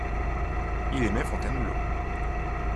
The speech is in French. Il aimait Fontainebleau.